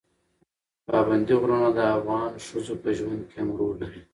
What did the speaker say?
پابندي غرونه د افغان ښځو په ژوند کې هم رول لري.